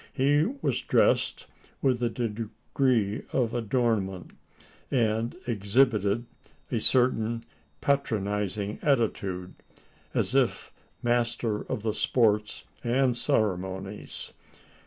He was dressed with a degree of adornment; and exhibited a certain patronising attitude, as if master of the sports and ceremonies!